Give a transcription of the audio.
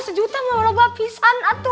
sejuta mau bawa pisang atau